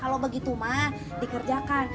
kalau begitu dikerjakan